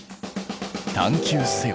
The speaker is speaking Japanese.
探究せよ！